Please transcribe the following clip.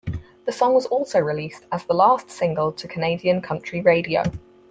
The song was also released as the last single to Canadian country radio.